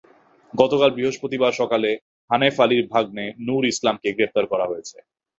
গতকাল বৃহস্পতিবার সকালে হানেফ আলীর ভাগনে নুর ইসলামকে গ্রেপ্তার করা হয়েছে।